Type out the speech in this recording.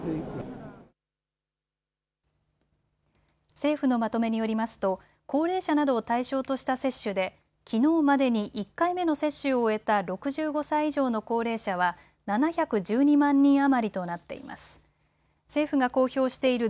政府のまとめによりますと高齢者などを対象とした接種できのうまでに１回目の接種を終えた６５歳以上の高齢者は７１２万人余りとなっています。